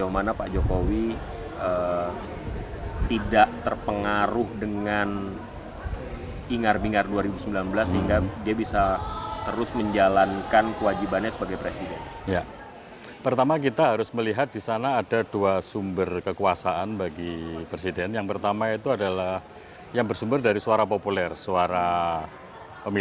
maka akan terjadi presentation yang lebih